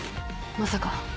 まさか。